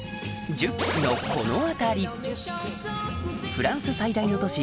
フランス最大の都市